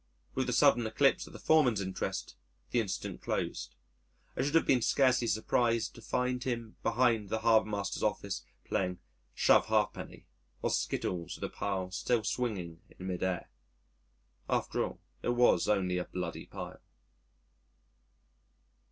With the sudden eclipse of the foreman's interest, the incident closed. I should have been scarcely surprised to find him behind the Harbour master's Office playing "Shove ha'penny" or skittles with the pile still swinging in mid air.... After all it was only a bloody pile.